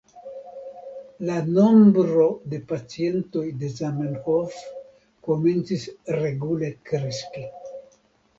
La nombro de la pacientoj de Zamenhof komencis regule kreski.